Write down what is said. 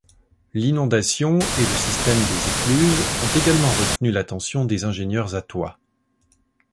L'inondation et le système des écluses ont également retenu l'attention des ingénieurs athois.